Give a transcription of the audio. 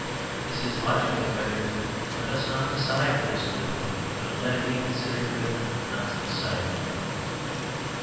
This is, logically rendered, "Let us not decide what is good, but let it be considered good not to decide it."